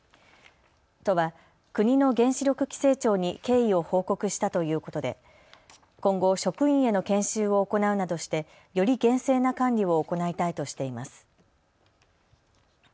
都は国の原子力規制庁に経緯を報告したということで今後、職員への研修を行うなどして、より厳正な管理を行いたいとしています。